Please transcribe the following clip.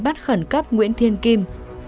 bắt khẩn cấp nguyễn thiên kim